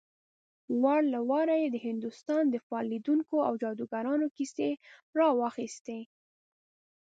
وار له واره يې د هندوستان د فال ليدونکو او جادوګرانو کيسې راواخيستې.